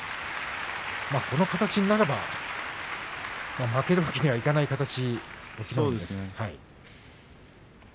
この形になれば負けるわけにはいかない隠岐の海でしたね。